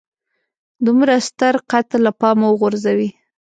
دومره ستر قتل له پامه وغورځوي.